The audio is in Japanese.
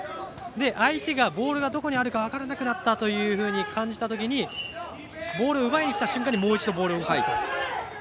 相手がボールがどこにあるか分からなくなったというふうに感じたときにボール、奪いにきた瞬間にもう一度、ボールを動かす。